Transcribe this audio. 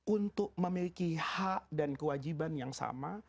untuk memiliki hak dan kewajiban yang sama